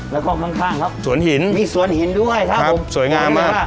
แล้วก็ข้างข้างครับสวนหินมีสวนหินด้วยครับครับสวยงามมาก